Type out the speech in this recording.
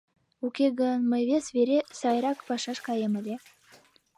Уке гын, мый вес вере сайрак пашаш каем ыле...